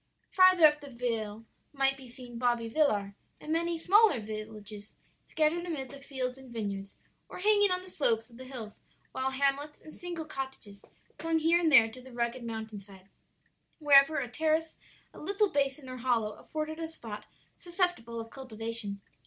"Farther up the vale might be seen Bobbi Villar, and many smaller villages scattered amid the fields and vineyards, or hanging on the slopes of the hills, while hamlets and single cottages clung here and there to the rugged mountain side, wherever a terrace, a little basin or hollow afforded a spot susceptible of cultivation.